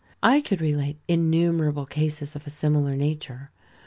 I could relate innumerable cases of a similar nature.